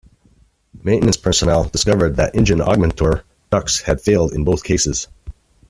Maintenance personnel discovered that engine augmentor ducts had failed in both cases.